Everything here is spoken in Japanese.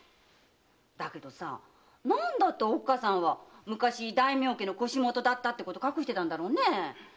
だけど何でおっかさんは昔大名家の腰元だったことを隠してたんだろうね。